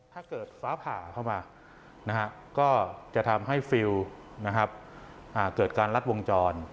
ฟ้าผ่าเข้ามาก็จะทำให้ฟิลเกิดการรัดวงจร